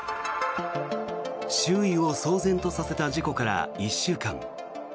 周囲を騒然とさせた事故から１週間。